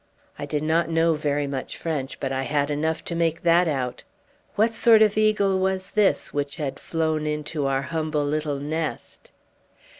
I did not know very much French, but I had enough to make that out. What sort of eagle was this which had flown into our humble little nest?